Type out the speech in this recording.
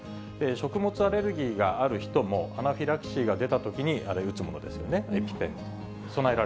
食物アレルギーがある人も、アナフィラキシーが出たときに打つものですよね、エピペン。